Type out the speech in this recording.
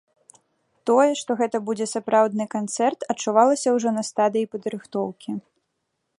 Тое, што гэта будзе сапраўдны канцэрт, адчувалася ўжо на стадыі падрыхтоўкі.